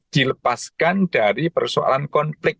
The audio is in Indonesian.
dilepaskan dari persoalan konflik